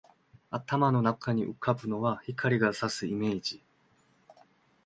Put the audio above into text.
頭の中に浮ぶのは、光が射すイメージ